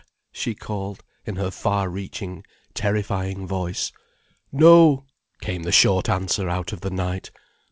she called, in her far reaching, terrifying voice. "No," came the short answer out of the night.